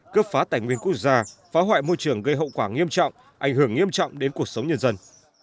cướp phá tài nguyên quốc gia phá hoại môi trường gây hậu quả nghiêm trọng ảnh hưởng nghiêm trọng đến cuộc sống nhân dân